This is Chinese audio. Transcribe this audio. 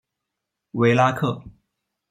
维拉克。